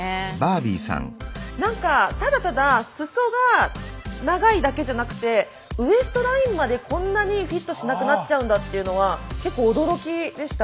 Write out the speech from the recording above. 何かただただ裾が長いだけじゃなくてウエストラインまでこんなにフィットしなくなっちゃうんだっていうのは結構驚きでした。